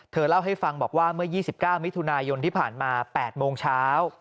เล่าให้ฟังบอกว่าเมื่อ๒๙มิถุนายนที่ผ่านมา๘โมงเช้า